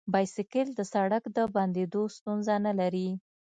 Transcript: بایسکل د سړک د بندیدو ستونزه نه لري.